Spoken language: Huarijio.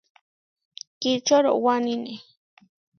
Kičorowánine.